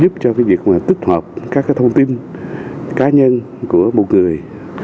giúp cho việc tích hợp các thông tin cá nhân của một người